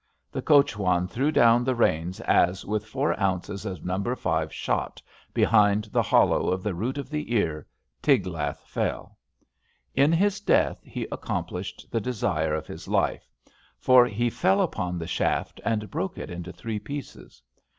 The coach wan threw down the reins as, with four ounces of No. 5 shot behind the hollow of the root of the ear, Tiglath fell. In his death he acconaplished the desire of his life, for he fell upon the shaft and broke it into three pieces.